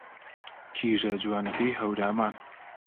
کیژە جوانەکەی هەورامان